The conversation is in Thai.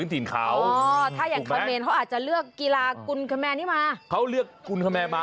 ถ้าอยากคำเรียนมันอาจจะเลือกครับรูดคุณคมแมมา